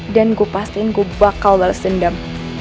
dan gue pastiin gue bakal bales dendam